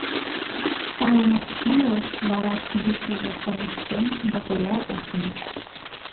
Сайынак «шымлыш», вара, кидешыже кормыжтен, умбакыла ошкыльо.